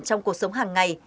trong cuộc sống hàng ngày